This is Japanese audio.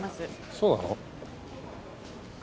そうなの？